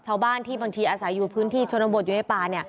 ชาวบ้านที่บางทีอาศัยอยู่พื้นที่ชนบทอยู่ในป่า